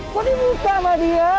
kok dimuka sama dia